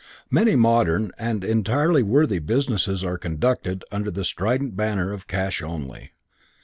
Many modern and entirely worthy businesses are conducted under the strident banner of "Cash Only."